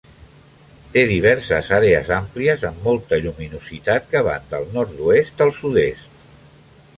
Té diverses àrees àmplies amb molta lluminositat que van del nord-oest al sud-est.